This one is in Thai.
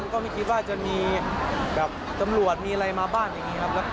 ก็ไม่คิดว่าจะมีแบบตำรวจมีอะไรมาบ้านอย่างนี้ครับ